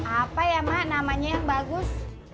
apa ya mak namanya yang bagus